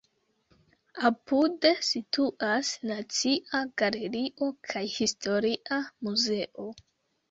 Apude situas Nacia Galerio kaj Historia Muzeo.